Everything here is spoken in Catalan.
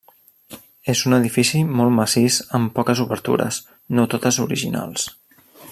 És un edifici molt massís amb poques obertures, no totes originals.